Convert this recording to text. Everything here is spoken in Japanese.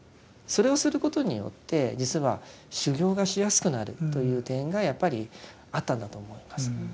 それをすることによって実は修行がしやすくなるという点がやっぱりあったんだと思います。